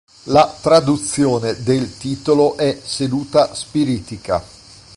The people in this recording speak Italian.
La traduzione del titolo è "seduta spiritica".